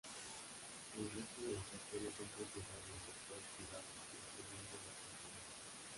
El resto de las acciones son propiedad de inversores privados, incluyendo a los trabajadores.